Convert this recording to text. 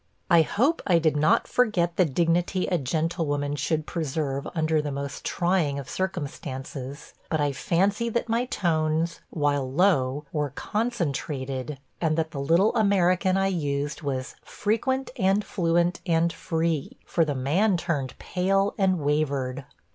I hope I did not forget the dignity a gentlewoman should preserve under the most trying of circumstances, but I fancy that my tones, while low, were concentrated, and that the little American I used was "frequent and fluent and free," for the man turned pale and wavered.